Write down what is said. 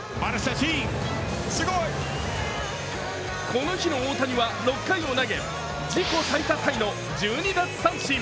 この日の大谷は６回を投げ自己最多タイの１２奪三振。